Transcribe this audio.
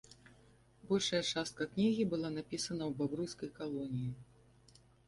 Большая частка кнігі была напісана ў бабруйскай калоніі.